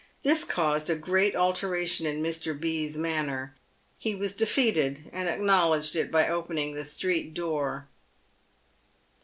This caused a great alteration in Mr. B.'s manner. He was defeated, and acknowledged it by open ing the street door.